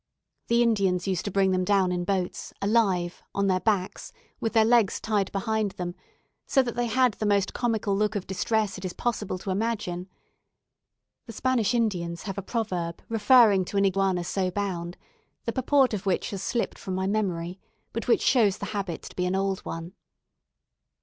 The Indians used to bring them down in boats, alive, on their backs, with their legs tied behind them; so that they had the most comical look of distress it is possible to imagine. The Spanish Indians have a proverb referring to an iguana so bound, the purport of which has slipped from my memory, but which shows the habit to be an old one.